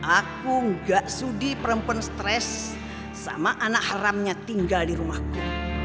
aku gak sudi perempuan stres sama anak haramnya tinggal di rumahku